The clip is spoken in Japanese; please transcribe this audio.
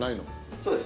そうです。